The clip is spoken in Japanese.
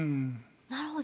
なるほど。